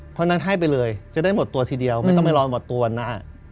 เพราะฉะนั้นให้ไปเลยจะได้หมดตัวทีเดียวไม่ต้องไปรอหมดตัวนะ